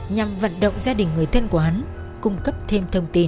nhằm vận động gia đình người thân của hắn cung cấp thêm thông tin